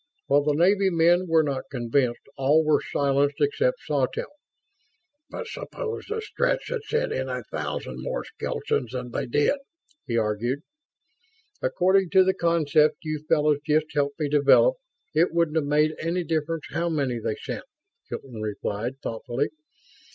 While the Navy men were not convinced, all were silenced except Sawtelle. "But suppose the Stretts had sent in a thousand more skeletons than they did?" he argued. "According to the concept you fellows just helped me develop, it wouldn't have made any difference how many they sent," Hilton replied, thoughtfully.